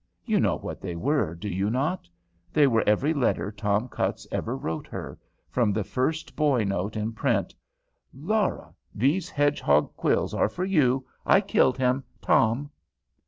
You know what they were, do not you? They were every letter Tom Cutts ever wrote her from the first boy note in print, "Laura, these hedgehog quills are for you. I killed him. TOM."